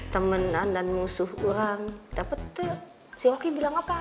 temenan dan musuh orang dapat tuh si oki bilang apa